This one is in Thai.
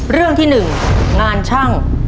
เรื่องที่๑งานช่าง